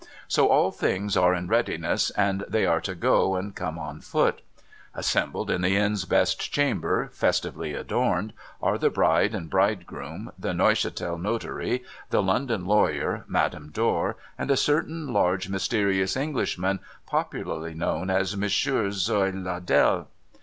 So, all things are in readiness, and they are to go and come on 572 NO THOROUGHFARE foot. Assembled in the Inn's best chamber, festively adoincd, are the bride and bridegroom, the Ncuchatel notary, the London lawyer, Madame Dor, and a certain large mysterious Englishman, popularly known as Monsieur Zlioe Ladelle.